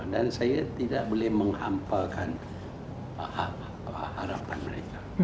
dan saya tidak bisa menghampakan harapan mereka